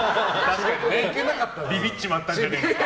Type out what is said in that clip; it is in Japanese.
ビビっちまったんじゃ。